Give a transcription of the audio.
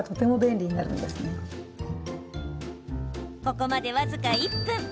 ここまで僅か１分。